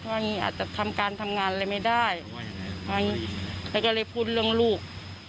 อาจจะทำการทำงานเลยไม่ได้แล้วก็เลยพูดเรื่องลูก